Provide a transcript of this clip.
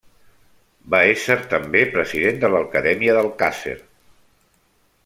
Va ésser també president de l'Acadèmia de l'Alcàsser.